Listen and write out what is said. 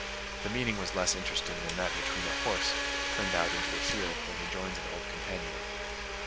The meeting was less interesting than that between a horse, turned out into a field, when he joins an old companion.